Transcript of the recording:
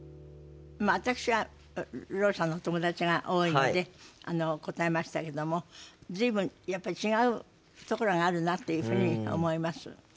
まあ私はろう者の友達が多いので答えましたけども随分やっぱ違うところがあるなっていうふうに思います。